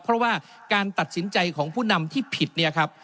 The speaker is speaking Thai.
เพราะว่าการตัดสินใจของผู้นำที่ผิดเนี่ยครับ